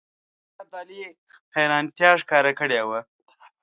احمدشاه ابدالي حیرانیتا ښکاره کړې وه.